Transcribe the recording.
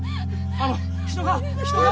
あの人が人が！